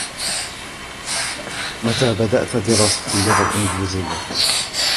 متى بدأتَ دراسة اللغة الانجليزية ؟